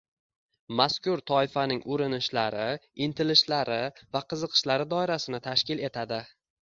— mazkur toifaning urinishlari, intilishlari va qiziqishlari doirasini tashkil etadi.